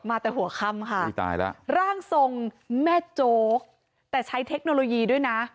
มาแต่หัวคำค่ะร่างทรงแม่โจ๊กแต่ใช้เทคโนโลยีด้วยนะ